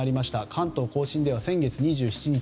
関東・甲信では先月２７日。